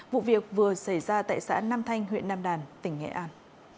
vụ việc vừa xảy ra tại xã nam thanh huyện nam đàn tỉnh nghệ an